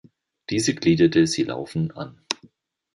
Diese gliederte sie Laufen an.